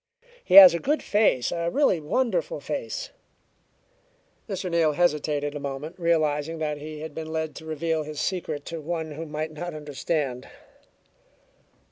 He has a good face a really wonderful face " Mr. Neal hesitated a moment, realizing that he had been led to reveal his secret to one who might not understand.